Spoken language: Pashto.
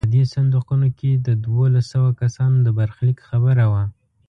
په دې صندوقونو کې د دولس سوه کسانو د برخلیک خبره وه.